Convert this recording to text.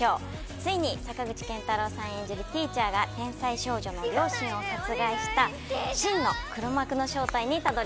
ついに坂口健太郎さん演じるＴｅａｃｈｅｒが天才少女の両親を殺害した真の黒幕の正体にたどり着きます。